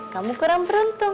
kamu kurang beruntung